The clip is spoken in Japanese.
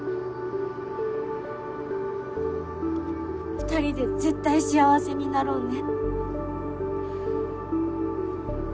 二人で絶対幸せになろうね。